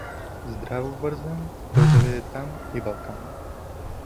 Здраво вързан, той заведе там и Балкан.